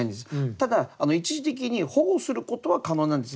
ただ一時的に保護することは可能なんです。